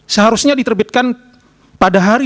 seharusnya diterbitkan pada hari